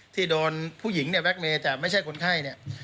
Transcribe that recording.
ที่โดนผู้หญิงเนี่ยแกล็กเมย์แต่ไม่ใช่คนไข้เนี่ย